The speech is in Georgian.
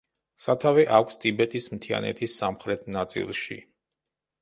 სათავე აქვს ტიბეტის მთიანეთის სამხრეთ ნაწილში.